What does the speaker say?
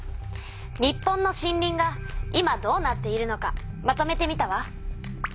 日本の森林が今どうなっているのかまとめてみたわ。